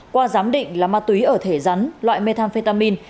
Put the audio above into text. qua giám định là ma túy ở thể rắn loại methamphetamin